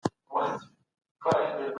ډیپلوماټیک ځوابونه باید روښانه او قاطع وي.